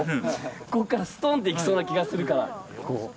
ここからストンといきそうな気がするから。